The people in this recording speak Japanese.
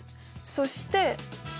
そして。